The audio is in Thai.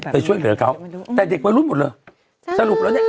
ไปช่วยเหลืออะไรแบบนี้